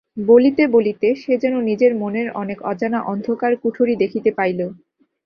বলিতে বলিতে সে যেন নিজের মনের অনেক অজানা অন্ধকার কুঠরি দেখিতে পাইল।